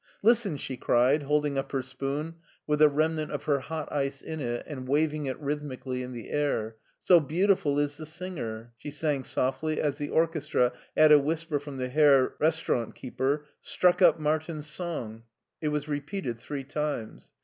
" Listen !" she cried, holding up her spoon with the remnant of her hot ice in it and waving it rhythmi cally in the air : "So beautiful is the singer!" she sang softly, as the orchestra, at a whisper from the Herr Restaurantkeeper, struck up Martin's song. It was repeated three times.